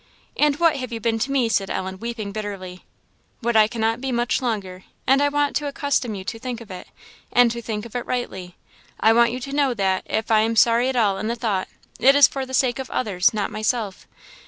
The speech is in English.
"And what have you been to me?" said Ellen, weeping bitterly. "What I cannot be much longer; and I want to accustom you to think of it, and to think of it rightly. I want you to know that, if I am sorry at all in the thought, it is for the sake of others, not myself.